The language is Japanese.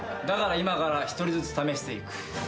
だから今から１人ずつ試していく。